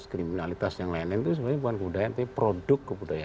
kriminalitas yang lain lain itu sebenarnya bukan kebudayaan tapi produk kebudayaan